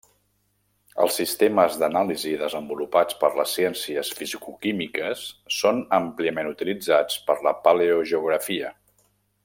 Els sistemes d'anàlisi desenvolupats per les ciències fisicoquímiques són àmpliament utilitzats per la paleogeografia.